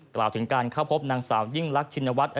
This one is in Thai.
กล่าวถึงการเข้าพบนางสาวยิ่งรักชินวัฒน์